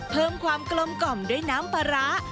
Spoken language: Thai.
เพิ่มความกลมกล่อมด้วยน้ำปลาร้า